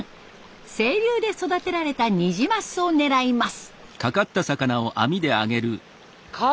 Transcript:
清流で育てられたニジマスを狙います。